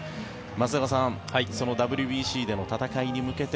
松坂さんＷＢＣでの戦いに向けて